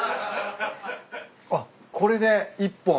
あっこれで１本。